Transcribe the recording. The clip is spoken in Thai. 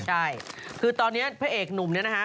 ใช่คือตอนนี้พระเอกหนุ่มเนี่ยนะฮะ